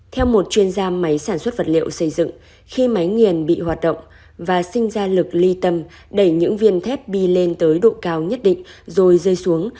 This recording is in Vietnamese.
theo một chuyên gia máy sản xuất vật liệu xây dựng khi máy nghiền bị hoạt động và sinh ra lực ly tâm đẩy những viên thép đi lên tới độ cao nhất định rồi rơi xuống